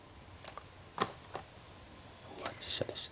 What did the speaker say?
４八飛車でした。